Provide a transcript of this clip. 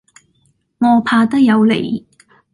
我怕得有理。